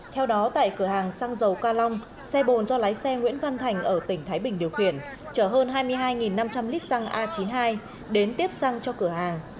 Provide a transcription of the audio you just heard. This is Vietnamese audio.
theo đó tại cửa hàng xăng dầu ca long xe bồn do lái xe nguyễn văn thành ở tỉnh thái bình điều khiển chở hơn hai mươi hai năm trăm linh lít xăng a chín mươi hai đến tiếp xăng cho cửa hàng